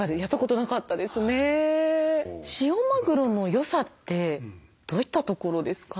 塩マグロのよさってどういったところですか？